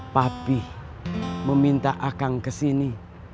papih meminta akang kesini